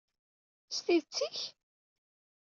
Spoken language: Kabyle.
S tidett-ik?